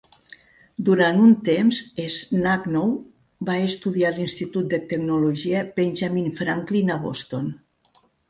Durant un temps, Shachnow va estudiar a l'institut de tecnologia Benjamin Franklin a Boston.